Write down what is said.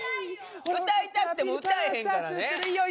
歌いたくても歌えへんから。